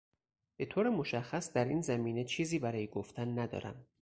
به طور مشخص در این زمینه چیزی برای گفتن ندارم